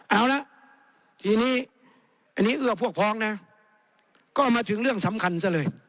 เอาละทีนี้อันนี้เอื้อพวกพ้องนะก็มาถึงเรื่องสำคัญซะเลย